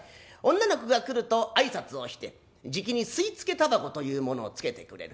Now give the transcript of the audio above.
女の子が来ると挨拶をしてじきに吸付煙草というものをつけてくれる。